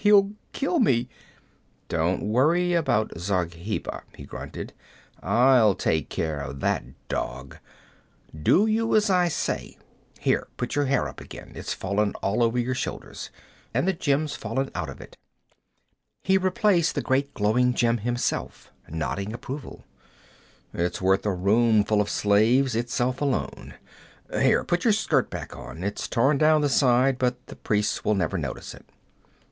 'He'll kill me!' 'Don't worry about Zargheba,' he grunted. 'I'll take care of that dog. You do as I say. Here, put up your hair again. It's fallen all over your shoulders. And the gem's fallen out of it.' He replaced the great glowing gem himself, nodding approval. 'It's worth a room full of slaves, itself alone. Here, put your skirt back on. It's torn down the side, but the priests will never notice it.